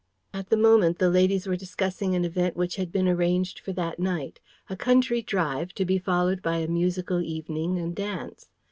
At the moment the ladies were discussing an event which had been arranged for that night: a country drive, to be followed by a musical evening and dance.